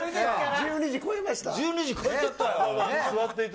１２時超えました。